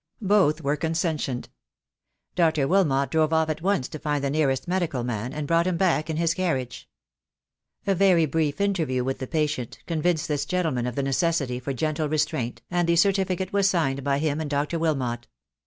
Both were consentient. Dr. Wilmot drove off at once to find the nearest medical man, and brought him back in his carriage. A very brief interview with the patient 264 THE DAY WILL COME. convinced this gentleman of the necessity for gentle re straint, and the certificate was signed by him and Dr. Wilmot.